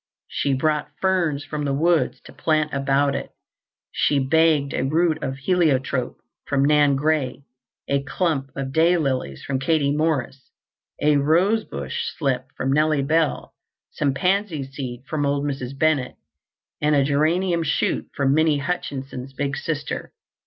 She brought ferns from the woods to plant about it. She begged a root of heliotrope from Nan Gray, a clump of day lilies from Katie Morris, a rosebush slip from Nellie Bell, some pansy seed from old Mrs. Bennett, and a geranium shoot from Minnie Hutchinson's big sister.